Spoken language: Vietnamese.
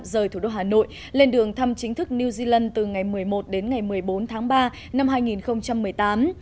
rời thủ đô hà nội lên đường thăm chính thức new zealand từ ngày một mươi một đến ngày một mươi bốn tháng ba năm hai nghìn một mươi tám